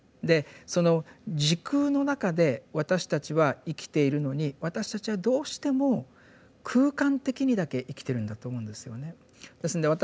でその「時空」の中で私たちは生きているのに私たちはどうしても空間的にだけ生きてるんだと思うんですよね。